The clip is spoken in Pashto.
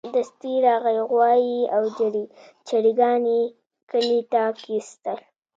دستي راغی غوايي او چرګان يې کلي ته کېستل.